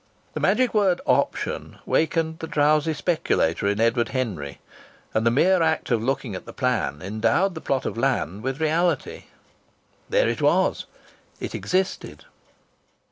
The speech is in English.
The magic word "option" wakened the drowsy speculator in Edward Henry. And the mere act of looking at the plan endowed the plot of land with reality! There it was! It existed!